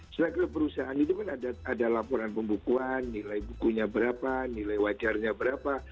saya kira perusahaan itu kan ada laporan pembukuan nilai bukunya berapa nilai wajarnya berapa